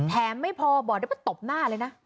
แถมไม่พอบอกเดี๋ยวจะตบหน้าเลยนะ